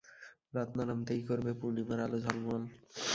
রাত না নামতেই করবে পূর্ণিমার আলো ঝলমল।